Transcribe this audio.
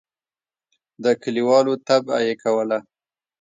د کلیوالو طبعه یې کوله.